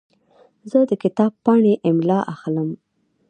زه د کتاب پاڼې املا اخلم.